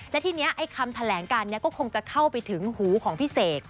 และทีนี้ไอ้คำแถลงการนี้ก็คงจะเข้าไปถึงหูของพี่เสก